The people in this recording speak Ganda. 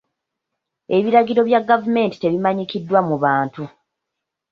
Ebiragiro bya gavumenti tebimanyikiddwa mu bantu.